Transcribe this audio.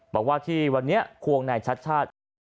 บอกว่าที่วันนี้ควงนายชัดชาติ